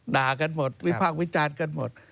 ด่ากันหมดวิพากษ์วิจารณ์กันหมด